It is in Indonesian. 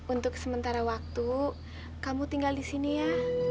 untuk sementara waktu kamu tinggal di sini ya